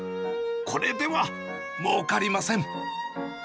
これではもうかりません。